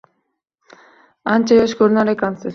Ancha yosh ko'rinar ekansiz.